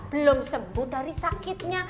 belum sembuh dari sakitnya